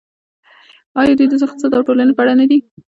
آیا دوی د اقتصاد او ټولنې په اړه نه دي؟